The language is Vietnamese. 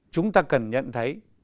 chúng ta cần nhận thấy